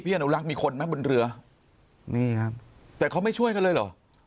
อนุรักษ์มีคนไหมบนเรือนี่ครับแต่เขาไม่ช่วยกันเลยเหรอ